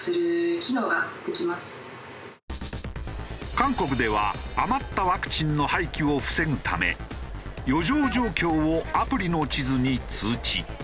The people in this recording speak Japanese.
韓国では余ったワクチンの廃棄を防ぐため余剰状況をアプリの地図に通知。